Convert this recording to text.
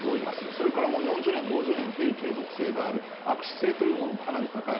それから４０年、５０年という継続性がある、悪質性というものもかなり高い。